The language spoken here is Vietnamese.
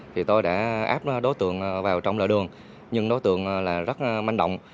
thì tôi đã áp đối tượng vào trong lợi đường nhưng đối tượng là rất manh động